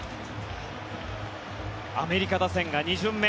アメリカ打線が２巡目。